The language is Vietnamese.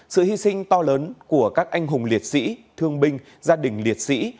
sự hy sinh to lớn của các anh hùng liệt sĩ thương binh gia đình liệt sĩ